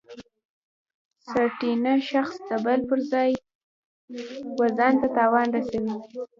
سرټنبه شخص د بل پر ځای و ځانته تاوان رسوي.